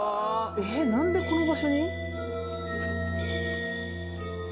えっ何でこの場所に？